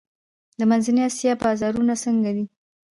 د منځنۍ اسیا بازارونه څنګه دي؟